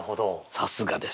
さすがです。